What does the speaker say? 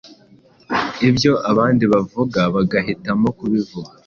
ibyo abandi bavuga bagahitamo kubivuga